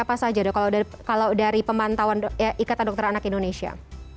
apa saja dok kalau dari pemantauan ikatan dokter anak indonesia